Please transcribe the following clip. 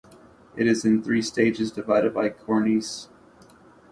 It is in three stages divided by cornices.